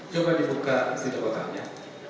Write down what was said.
coba dibuka di kotaknya